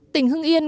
tỉnh hương yên